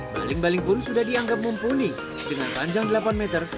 baling baling pun sudah dianggap mumpuni dengan panjang delapan meter